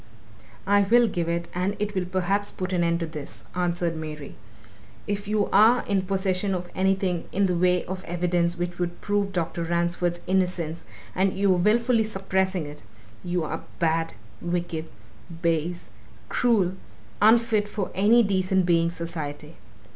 "I will give it, and it will perhaps put an end to this," answered Mary. "If you are in possession of anything in the way of evidence which would prove Dr. Ransford's innocence and you are wilfully suppressing it, you are bad, wicked, base, cruel, unfit for any decent being's society!